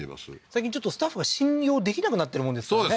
最近ちょっとスタッフが信用できなくなってるもんですからね